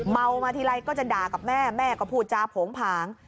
เมามาทีไรก็จะด่ากับแม่แม่ก็พูดจาโผงผาง